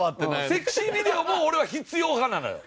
セクシービデオも俺は必要派なのよ。